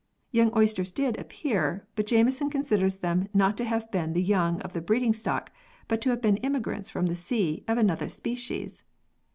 Young oysters did appear, but Jameson con siders them not to have been the young of the breeding stock, but to have been immigrants from the sea, of another species.